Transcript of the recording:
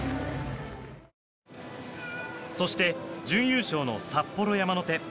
そして、準優勝の札幌山の手。